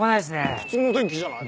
普通の天気じゃないか。